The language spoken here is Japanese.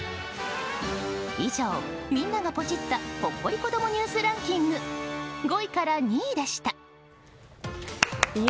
以上、みんながポチったほっこり子どもニュースランキング５位から２位でした。